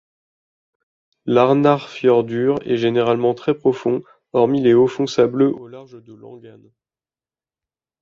L'Arnarfjörður est généralement très profond hormis les hauts fonds sableux au large de Langanes.